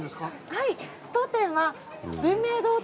はい。